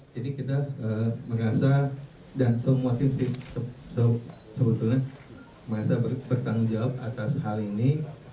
jadi kita merasa dan semua sisi sebetulnya merasa bertanggung jawab atas hal ini